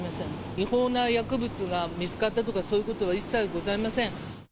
違法な薬物が見つかったとかは一切ございません。